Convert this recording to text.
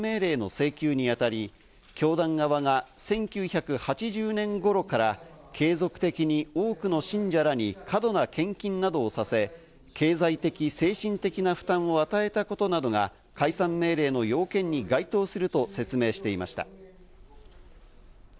文化庁は解散命令の請求にあたり、教団側が１９８０年頃から継続的に多くの信者らに過度な献金などをさせ、経済的・精神的な負担を与えたことなどが解散命令の要件に該当すると説明していました。